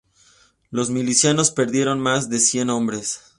Los milicianos perdieron más de cien hombres.